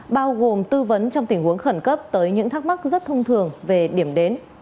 bao gồm tư vấn trong tình huống khẩn cấp tới những thắc mắc rất thông thường về điểm đến